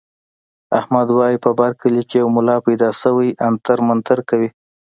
احمد وايي په بر کلي کې یو ملا پیدا شوی عنتر منتر کوي.